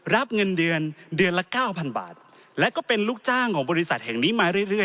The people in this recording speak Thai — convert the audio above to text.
รับเงินเดือนเดือนละเก้าพันบาทและก็เป็นลูกจ้างของบริษัทแห่งนี้มาเรื่อย